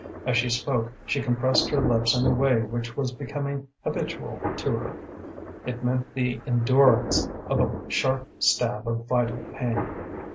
As she spoke she compressed her lips in a way which was becoming habitual to her. It meant the endurance of a sharp stab of vital pain.